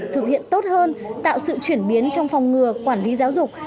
thực hiện tốt hơn tạo sự chuyển biến trong phòng ngừa quản lý giáo dục